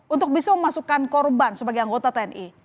untuk bisa memasukkan korban sebagai anggota tni